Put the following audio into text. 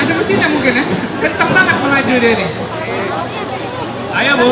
ada usinya mungkin ya